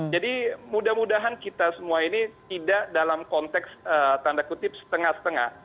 jadi mudah mudahan kita semua ini tidak dalam konteks tanda kutip setengah setengah